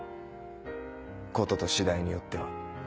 事と次第によっては。